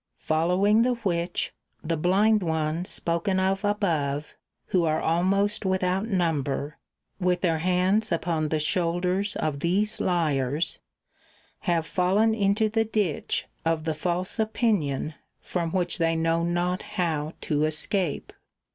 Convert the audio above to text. Following the which, the blind ones spoken of above, who are almost without number, with their hands upon the shoulders of these liars, have fallen into the ditch of the false opinion from which they know not how [403 to escape.